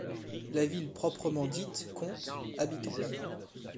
La ville proprement dite compte habitants.